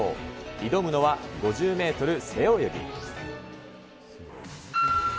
挑むのは５０メートル背泳ぎ。